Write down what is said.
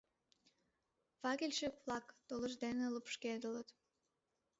Факельщик-влак тулышт дене лупшкедылыт.